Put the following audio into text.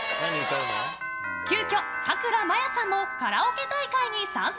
急きょ、さくらまやさんもカラオケ大会に参戦！